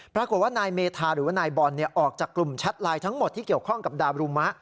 ปรากฏว่านายเมธาหรือว่านายบอลออกจากกลุ่มแชทไลน์ทั้งหมดที่เกี่ยวข้องกับดาบรุมะ